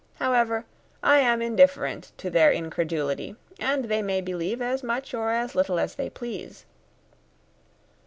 However, I am indifferent to their incredulity, and they may believe as much or as little as they please.